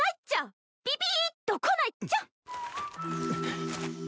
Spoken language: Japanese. ビビっとこないっちゃ。